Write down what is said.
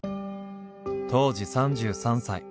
当時３３歳。